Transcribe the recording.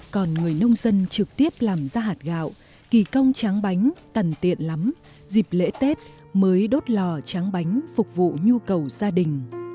còn người nông dân trực tiếp làm ra hạt gạo kỳ công tráng bánh tần tiện lắm dịp lễ tết mới đốt lò tráng bánh phục vụ nhu cầu gia đình